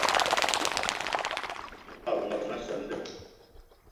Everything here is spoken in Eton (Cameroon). Te bagbe ma soo an da